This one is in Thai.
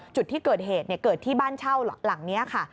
จุดที่เกิดเหตุเกิดที่บ้านเช่าหลังนี้ค่ะ